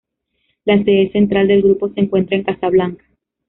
La sede central del grupo se encuentra en Casablanca.